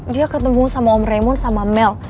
dia ketemu sama om raymoon sama mel